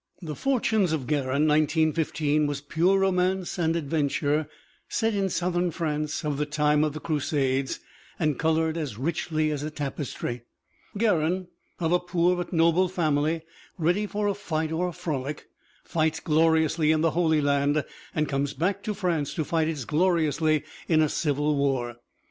The For tunes of Garin (1915) was pure romance and adven ture set in Southern France of the time of the Crusades and colored as richly as a tapestry. Garin, of a poor but noble family, ready for a fight or a frolic, fights gloriously in the Holy Land and comes back to France to fight as gloriously in a civil war.